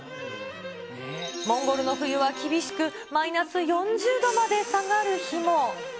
モンゴルの冬は厳しく、マイナス４０度まで下がる日も。